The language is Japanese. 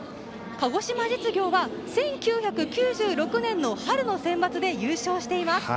鹿児島実業は１９９６年の春のセンバツで優勝しています。